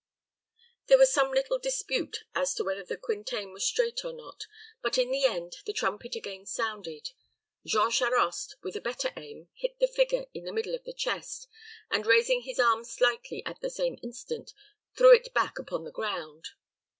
There was some little dispute as to whether the Quintain was straight or not, but in the end the trumpet again sounded. Jean Charost, with a better aim, hit the figure in the middle of the chest, and raising his arm lightly at the same instant, threw it back upon the ground.